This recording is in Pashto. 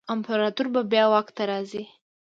امپراتور به بیا واک ته راځي.